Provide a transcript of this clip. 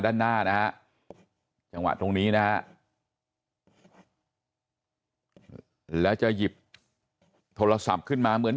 ด้านหน้านะฮะจังหวะตรงนี้นะฮะแล้วจะหยิบโทรศัพท์ขึ้นมาเหมือน